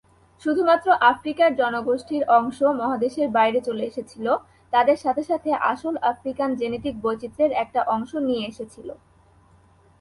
শুধুমাত্র আফ্রিকার জনগোষ্ঠীর অংশ মহাদেশের বাইরে চলে এসেছিল, তাদের সাথে সাথে আসল আফ্রিকান জেনেটিক বৈচিত্র্যের একটি অংশ নিয়ে এসেছিল।